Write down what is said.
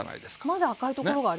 まだ赤いところがありますね。